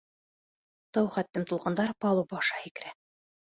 Тау хәтлем тулҡындар палуба аша һикерә.